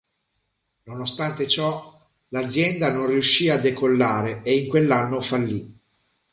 Nonostante ciò, l'azienda non riuscì a decollare e in quell'anno fallì.